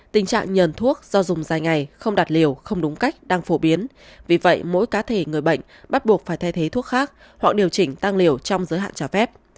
tình trạng nhờn thuốc do dùng dài ngày không đạt liều không đúng cách đang phổ biến vì vậy mỗi cá thể người bệnh bắt buộc phải thay thế thuốc khác họ điều chỉnh tăng liều trong giới hạn trả phép